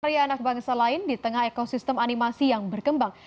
karya anak bangsa lain di tengah ekosistem animasi yang berkembang